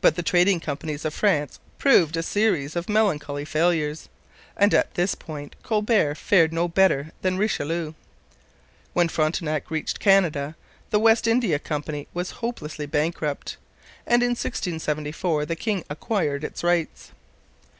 But the trading companies of France proved a series of melancholy failures, and at this point Colbert fared no better than Richelieu. When Frontenac reached Canada the West India Company was hopelessly bankrupt, and in 1674 the king acquired its rights.